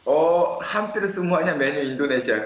oh hampir semuanya menu indonesia